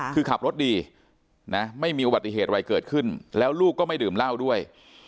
คือขับรถดีนะไม่มีอุบัติเหตุอะไรเกิดขึ้นแล้วลูกก็ไม่ดื่มเหล้าด้วย